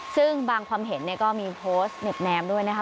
ซึ่งบางความเห็นเนี่ยก็มีโพสต์เน็บแนมด้วยนะคะ